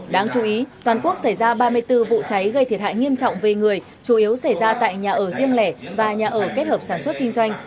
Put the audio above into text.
đáng chú ý toàn quốc xảy ra ba mươi bốn vụ cháy gây thiệt hại nghiêm trọng về người chủ yếu xảy ra tại nhà ở riêng lẻ và nhà ở kết hợp sản xuất kinh doanh